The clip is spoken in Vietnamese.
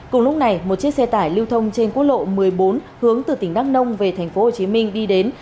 cùng lúc này một chiếc xe tải lưu thông trên quốc lộ một mươi bốn hướng từ tỉnh đắk nông về tp hcm đi đến